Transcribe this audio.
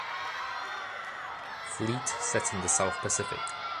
Fleet set in the South Pacific.